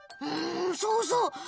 んそうそう。